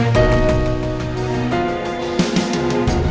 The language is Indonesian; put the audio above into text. kamu harus atuh